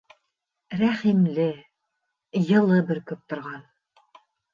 Рәхимле, йылы бөркөп торған.